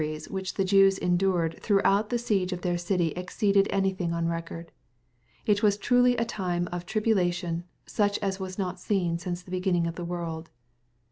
317 the Jews endured throughout the siegeof their city exceed anything on record. It was truly a time of " tribulation, such as was not since the beginning of the world."